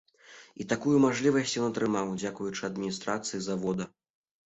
І такую мажлівасць ён атрымаў, дзякуючы адміністрацыі завода.